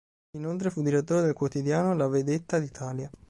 Inoltre fu direttore del quotidiano "La Vedetta d'Italia".